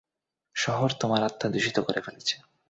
শহর তোমার আত্মা দূষিত করে ফেলেছে।